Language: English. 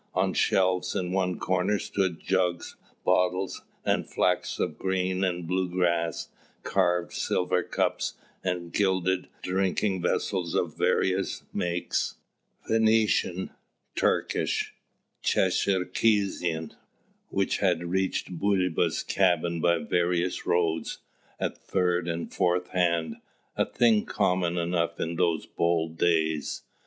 On shelves in one corner stood jugs, bottles, and flasks of green and blue glass, carved silver cups, and gilded drinking vessels of various makes Venetian, Turkish, Tscherkessian, which had reached Bulba's cabin by various roads, at third and fourth hand, a thing common enough in those bold days.